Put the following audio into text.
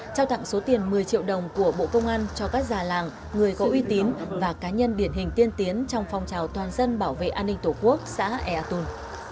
trao tặng số tiền một mươi triệu đồng của bộ công an cho các già làng người có uy tín và cá nhân điển hình tiên tiến trong phong trào toàn dân bảo vệ an ninh tổ quốc xã ea tôn